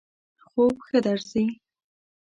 خوب ښه درځی؟